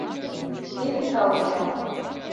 Шке кычал мия.